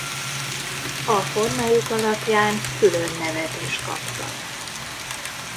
A formájuk alapján külön nevet is kaptak.